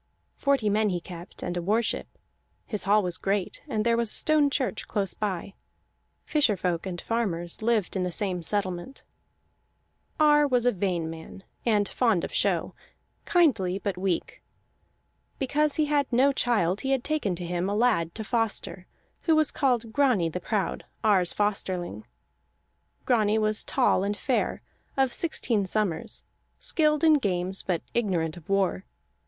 Forty men he kept, and a war ship; his hall was great, and there was a stone church close by; fisher folk and farmers lived in the same settlement. Ar was a vain man and fond of show, kindly but weak. Because he had no child he had taken to him a lad to foster, who was called Grani the Proud, Ar's Fosterling. Grani was tall and fair, of sixteen summers, skilled in games but ignorant of war.